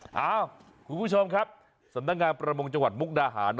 เอ้าคุณผู้ชมครับสำนักงานประมงจังหวัดมุกดาหาร